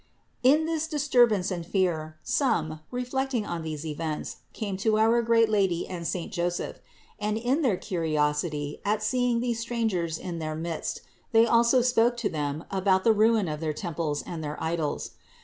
In this disturbance and fear, some, reflecting on these events, came to our great Lady and saint Joseph ; and, in their curiosity at seeing these strangers in their midst, they also spoke to them about the ruin of their temples and their idols.